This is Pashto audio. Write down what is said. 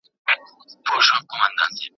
زده کوونکي څنګه د مسئلو حل لاري مومي؟